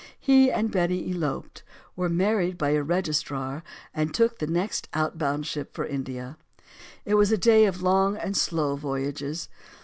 He and Betty eloped, were married by a registrar, and took the next out bound ship for India. It was a day of long and slow voyages.